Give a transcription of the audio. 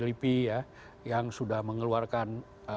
lipi ya yang sudah mengeluarkan